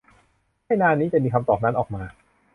ไม่นานนี้จะมีคำตอบนั้นออกมา